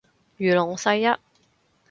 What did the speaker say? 如龍世一